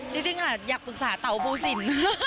จริงอยากปรึกษาเต่าภูสิน